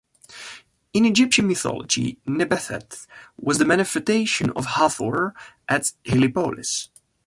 In Egyptian mythology, Nebethetepet was the manifestation of Hathor at Heliopolis.